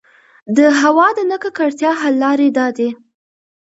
د هـوا د نـه ککـړتيا حـل لـارې دا دي: